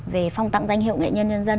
về phong tặng danh hiệu nghệ nhân nhân dân